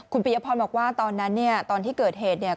คุณปียพรบอกว่าตอนนั้นเนี่ยตอนที่เกิดเหตุเนี่ย